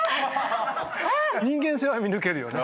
人間性は見抜けるよね。